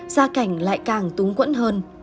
gia cảnh lại càng túng quẫn hơn